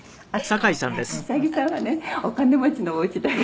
「柏木さんはねお金持ちのおうちだから」